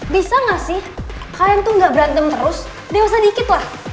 bisa nggak sih kalian tuh gak berantem terus dewasa dikit lah